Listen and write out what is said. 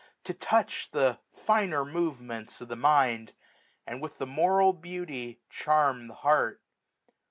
To touch the finer movements of the mind. And with the moral beauty charm the heart.